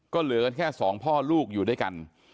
ก็เหลือกันแค่สองพ่อลูกอยู่ด้วยกัน